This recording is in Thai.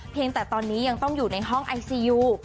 แต่ตอนนี้ยังต้องอยู่ในห้องไอซียู